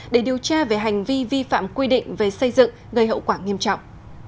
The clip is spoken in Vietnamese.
để điều tra về hành vi vi phạm quy định về xây dựng gây hậu quả nghiêm trọng